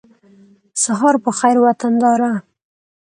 سهار په خېر وطنداره